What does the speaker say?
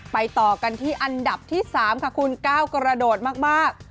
ต่อกันที่อันดับที่๓ค่ะคุณก้าวกระโดดมาก